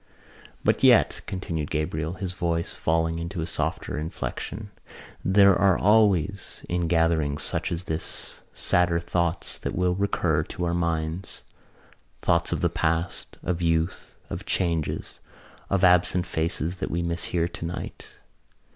"But yet," continued Gabriel, his voice falling into a softer inflection, "there are always in gatherings such as this sadder thoughts that will recur to our minds: thoughts of the past, of youth, of changes, of absent faces that we miss here tonight.